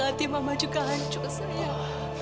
hati mama juga hancur sayang